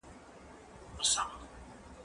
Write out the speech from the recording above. هغه څوک چي منډه وهي قوي کيږي!؟